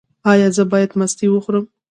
ایا زه باید مستې وخورم؟